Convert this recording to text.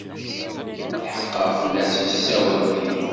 Tḥeqqeɣ fell-as yessawal tidet.